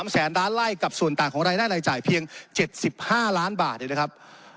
แสนล้านไล่กับส่วนต่างของรายได้รายจ่ายเพียง๗๕ล้านบาทเลยนะครับ